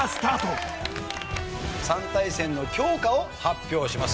３対戦の教科を発表します。